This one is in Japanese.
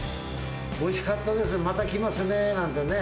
おいしかったです、また来ますねなんてね、